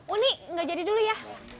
unik nggak jadi dulu ya